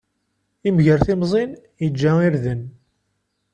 Imger timẓin, iǧǧa irden.